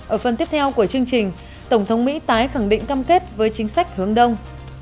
ở phần tiếp theo của chương trình tổng thống mỹ tái khẳng định cam kết với chính sách hướng đông